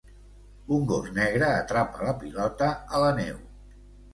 Un gos negre atrapa la pilota a la neu.